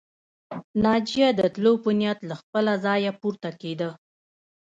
ناجيه د تلو په نيت له خپله ځايه پورته کېده